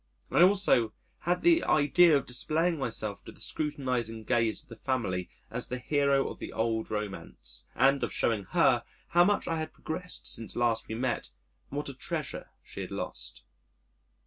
I also had the idea of displaying myself to the scrutinising gaze of the family as the hero of the old romance: and of showing Her how much I had progressed since last we met and what a treasure she had lost.